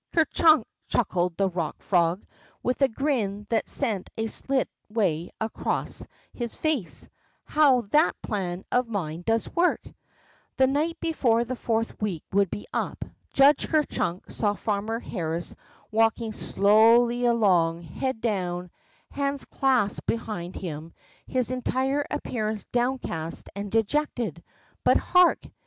Ker chunk !'' chuckled the Rock Frog with a grin that sent a slit way across bis face, how that plan of mine does work 1 '' The night before the fourth week would be up. Judge Ker chunk saw Farmer Harris walking WHAT THE FROGS TAUGHT 85 slowly along, head down, hands clasped behind him, his entire appearance downcast and dejected, but hark!